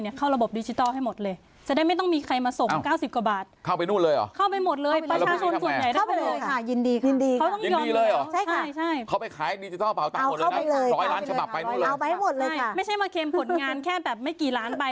ไม่ใช่มาเคมผลงานแค่แบบไม่กี่ล้านใบ